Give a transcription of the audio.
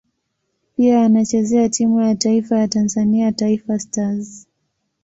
Pia anachezea timu ya taifa ya Tanzania Taifa Stars.